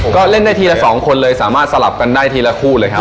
ก็เล่นได้ทีละ๒คนเลยสามารถสลับกันได้ทีละคู่เลยครับ